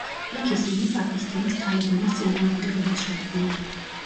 იქ ისინი პაკისტანის თალიბანის წინააღმდეგობას შეხვდნენ.